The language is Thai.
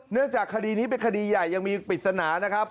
เนื่องจากคดีนี้เป็นคดีใหญ่ยังมีปัจจุณานะครับ